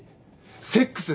セックス？